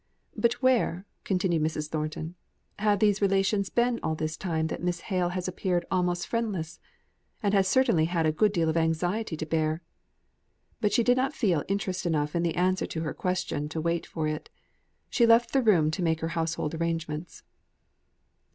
"But where," continued Mrs. Thornton, "have these relations been all this time that Miss Hale has appeared almost friendless, and has certainly had a good deal of anxiety to bear?" But she did not feel interest enough in the answer to her question to wait for it. She left the room to make her household arrangements.